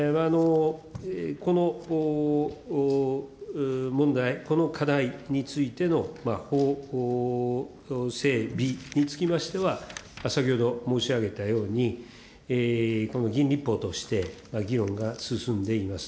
この問題、この課題についての法整備につきましては、先ほど申し上げたように、この議員立法として議論が進んでいます。